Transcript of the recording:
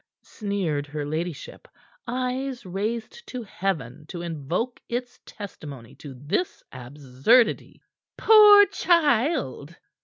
sneered her ladyship, eyes raised to heaven to invoke its testimony to this absurdity. "Poor child."